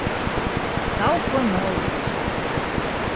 Талпыныу.